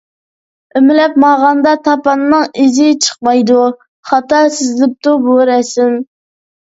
ئۆمىلەپ ماڭغاندا تاپاننىڭ ئىزى چىقمايدۇ. خاتا سىزىلىپتۇ بۇ رەسىم.